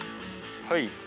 はい。